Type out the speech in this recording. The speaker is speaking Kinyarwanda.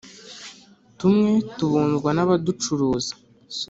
tumwe tubunzwa n’abaducuruza